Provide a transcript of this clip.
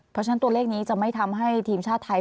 เพราะฉะนั้นตัวเลขนี้จะไม่ทำให้ทีมชาติไทย